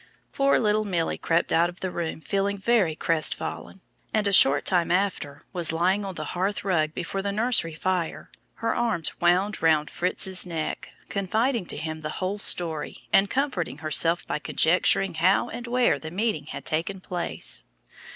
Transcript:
Poor little Milly crept out of the room feeling very crestfallen, and a short time after was lying on the hearth rug before the nursery fire, her arms wound round Fritz's neck, confiding to him the whole story, and comforting herself by conjecturing how and where the meeting had taken place.